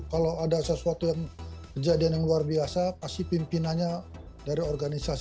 kalau ada sesuatu yang kejadian yang luar biasa pasti pimpinannya dari organisasi